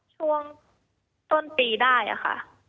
ช่วงต้นปีได้ค่ะ